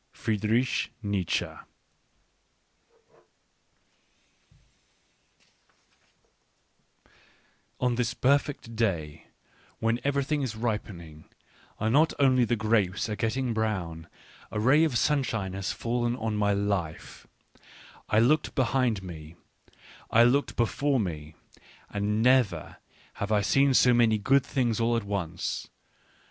FRIEDRICH NIETZSCHE. Digitized by Google f . Digitized by VjOOQLC On this perfect day, when everything is ripening, and not only the grapes are getting brown, a ray of sunshine has fallen on my life : I looked behind me, I looked before me, and never have I seen so many good things all at once.